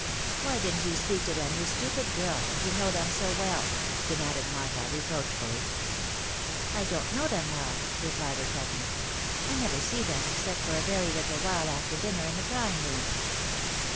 " Why didn't you speak to them, you stupid girl, if you know them so well ?" demanded Martha, reproachfully. " I don't know them well," replied her cousin ;," I never see them, except for a very little whUe after dinner in the drawing room."